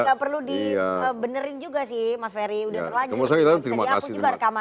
tidak perlu dikebenerin juga sih mas ferry sudah terlanjur